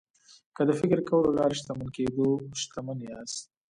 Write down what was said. که د فکر کولو له لارې د شتمن کېدو شکمن یاست